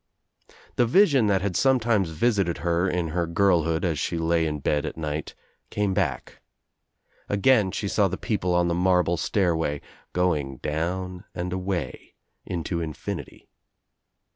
The vision that had sometimes visited her !n her girlhood as she lay in bed at night came back. Again she saw the people on the marble stairway, going down and away, into infinity.